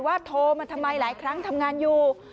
โทรมาทำไมหลายครั้งทำงานอยู่